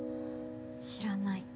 知らない。